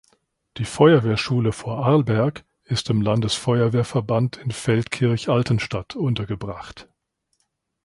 Die Feuerwehrschule Vorarlberg ist im Landesfeuerwehrverband in Feldkirch-Altenstadt untergebracht.